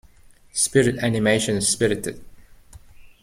Spirit animation Spirited.